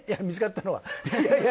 見つかったのは。